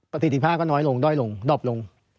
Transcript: ประสิทธิภาพก็น้อยลงด้อยลงดอบลง